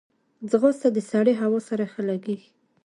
ځغاسته د سړې هوا سره ښه لګیږي